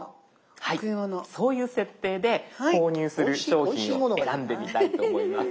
そういう設定で購入する商品を選んでみたいと思います。